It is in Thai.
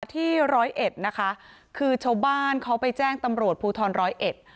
ที่ร้อยเอ็ดนะคะคือชาวบ้านเขาไปแจ้งตำรวจภูทรร้อยเอ็ด